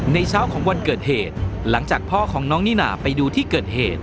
เช้าของวันเกิดเหตุหลังจากพ่อของน้องนิน่าไปดูที่เกิดเหตุ